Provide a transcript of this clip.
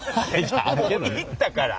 行ったから。